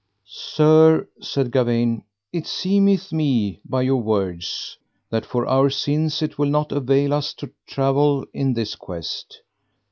Sir, said Gawaine, it seemeth me by your words that for our sins it will not avail us to travel in this quest.